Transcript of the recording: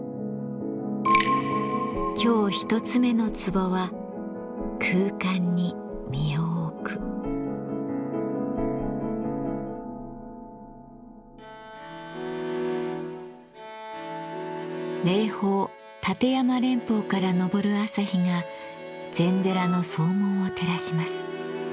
今日１つ目の壺は霊峰立山連峰から昇る朝日が禅寺の総門を照らします。